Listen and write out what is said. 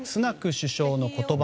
首相の言葉